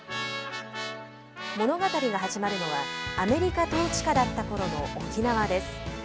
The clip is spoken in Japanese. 物語が始まるのは、アメリカ統治下だったころの沖縄です。